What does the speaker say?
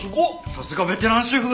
さすがベテラン主婦！